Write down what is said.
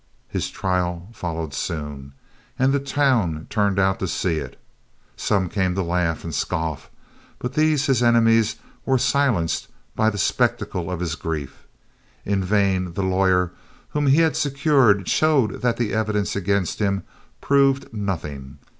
His trial followed soon, and the town turned out to see it. Some came to laugh and scoff, but these, his enemies, were silenced by the spectacle of his grief. In vain the lawyer whom he had secured showed that the evidence against him proved nothing.